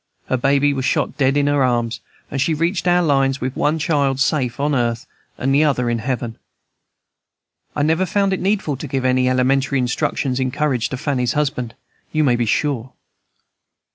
Her baby was shot dead in her arms, and she reached our lines with one child safe on earth and the other in heaven. I never found it needful to give any elementary instructions in courage to Fanny's husband, you may be sure.